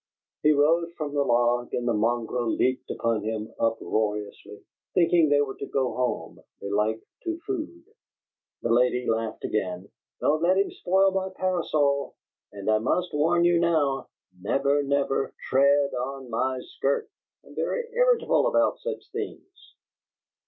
He rose from the log, and the mongrel leaped upon him uproariously, thinking they were to go home, belike to food. The lady laughed again. "Don't let him spoil my parasol. And I must warn you now: Never, never TREAD ON MY SKIRT! I'm very irritable about such things!"